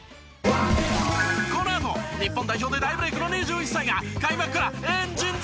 このあと日本代表で大ブレイクの２１歳が開幕からエンジン全開！